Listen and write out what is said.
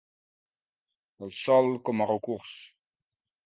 El sòl com a recurs.